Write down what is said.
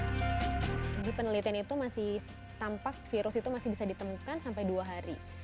jadi penelitian itu masih tampak virus itu masih bisa ditemukan sampai dua hari